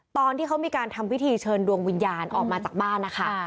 ตอนที่เขามีการทำพิธีเชิญดวงวิญญาณออกมาจากบ้านนะคะ